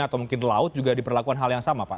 atau mungkin laut juga diperlakukan hal yang sama pak